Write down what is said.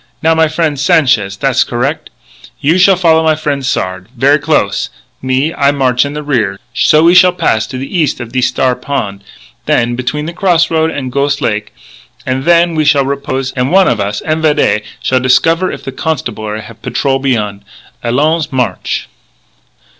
Now, my frien', Sanchez! Tha's correc'! You shall follow my frien' Sard ver' close. Me, I march in the rear. So we shall pass to the eas' of thees Star Pon', then between the cross road an' Ghos' Lake; an' then we shall repose; an' one of us, en vidette, shall discover if the Constabulary have patrol beyon'.... Allons! March!"